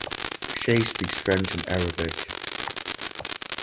Shea speaks French and Arabic.